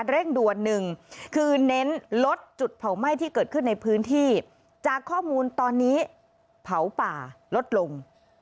เร่งด่วนหนึ่งคือเน้นลดจุดเผาไหม้ที่เกิดขึ้นในพื้นที่จากข้อมูลตอนนี้เผาป่าลดลง